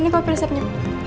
ini kok resepnya